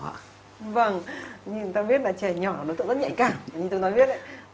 vâng như người ta biết là trẻ nhỏ nó rất nhạy cảm